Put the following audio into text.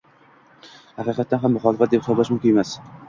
haqiqatan ham muxolifat deb hisoblash mumkin emas.